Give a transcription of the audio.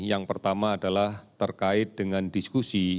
yang pertama adalah terkait dengan diskusi